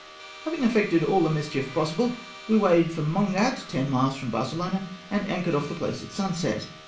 Having effected all the mischief possible, we weighed for Mongat, ten miles from Barcelona, and anchored off the place at sunset.